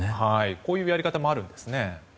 こういうやり方もあるんですね。